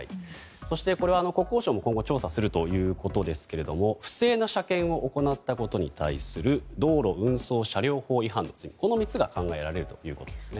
そしてこれは国交省も今後調査するということですが不正な車検を行ったことに対する道路運送車両法違反の罪ですね、この３つが考えられるということですね。